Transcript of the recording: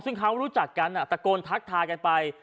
ซึ่งเขารู้จักกันตะโกนทักทายกันไป